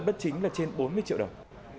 bất chính là trên bốn mươi triệu đồng